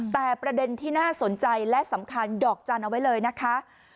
แต่ประเด็นที่น่าสนใจและสำคัญดอกจันทร์เอาไว้เลยนะคะ